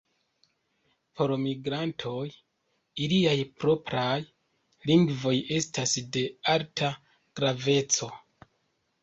Por migrantoj iliaj propraj lingvoj estas de alta graveco.